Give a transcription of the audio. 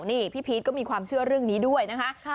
นี่พี่พีชก็มีความเชื่อเรื่องนี้ด้วยนะคะ